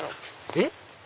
えっ？